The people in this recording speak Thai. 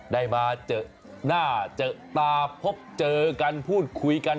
ได้มาเจอหน้าเจอตาพบเจอกันพูดคุยกัน